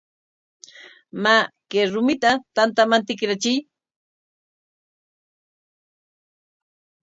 Maa, kay rumita tantaman tikrachiy.